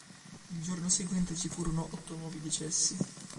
Il giorno seguente ci furono otto nuovi decessi.